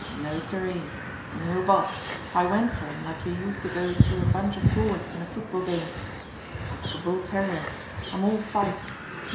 No siree, no boss, I went for 'em like you used to go through a bunch of forwards in a football game. I'm like a bull terrier. I'm all fight.